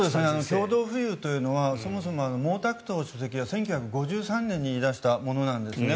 共同富裕というのはそもそも毛沢東主席が１９５３年に言い出したものなんですね。